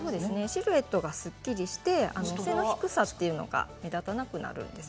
シルエットがすっきりして背の低さというのが目立たなくなるんです。